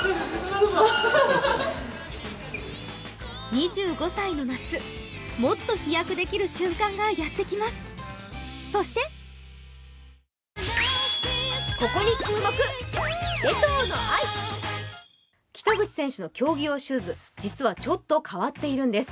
２５歳の夏もっと飛躍できる瞬間がやってきます、そして北口選手の競技用シューズ実はちょっと変わっているんです。